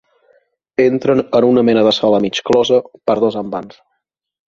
Entren en una mena de sala mig closa per dos envans.